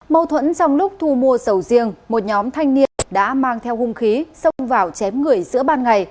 mâu thuẫn trong lúc thu mua sầu riêng một nhóm thanh niên đã mang theo hung khí xông vào chém người giữa ban ngày